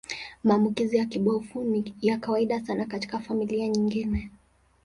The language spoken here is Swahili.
Maambukizi ya kibofu ni ya kawaida sana katika familia nyingine.